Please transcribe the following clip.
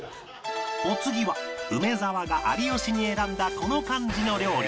お次は梅沢が有吉に選んだこの漢字の料理